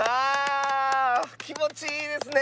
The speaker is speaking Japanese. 気持ちいいですね！